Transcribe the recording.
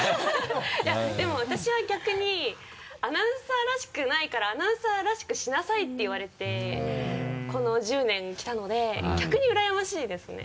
いやでも私は逆にアナウンサーらしくないからアナウンサーらしくしなさいって言われてこの１０年きたので逆にうらやましいですね。